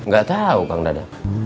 gak tau kang dadang